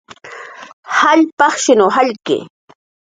Jalluq jall pajshinw jallki